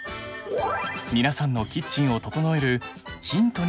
皆さんのキッチンを整えるヒントになりますように。